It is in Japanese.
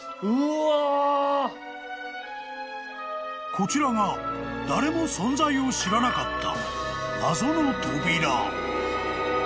［こちらが誰も存在を知らなかった］